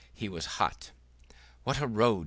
He was hot. "What a road!"